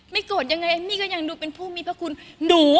โกรธยังไงเอมมี่ก็ยังดูเป็นผู้มีพระคุณหนู